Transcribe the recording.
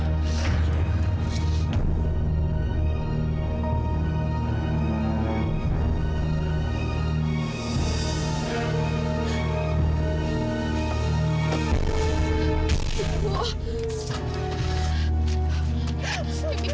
terima kasih ibu